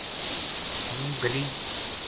ہوں گلی